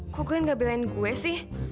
kok glenn gak belain gue sih